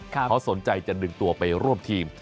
เขาสนใจจะดึงตัวไปร่วมทีม